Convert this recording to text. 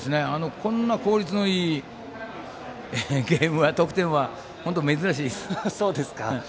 こんな効率のいいゲーム得点は本当、珍しいです。